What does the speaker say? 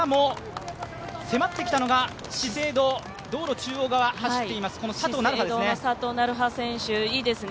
その後ろからも迫ってきたのが資生堂、道路中央側、走っています、佐藤成葉選手ですね。